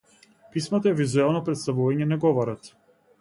Писмото е визуелно претставување на говорот.